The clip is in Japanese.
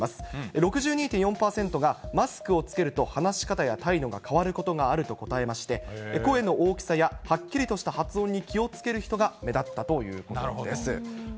６２．４％が、マスクを着けると話し方や態度が変わることがあると答えまして、声の大きさや、はっきりとした発音に気をつける人が目立ったということです。